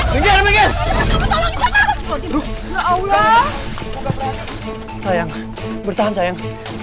tenang ya tenang